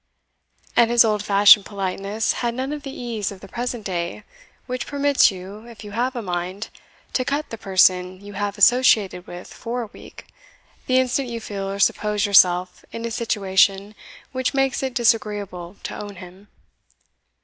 And his old fashioned politeness had none of the ease of the present day which permits you, if you have a mind, to cut the person you have associated with for a week, the instant you feel or suppose yourself in a situation which makes it disagreeable to own him.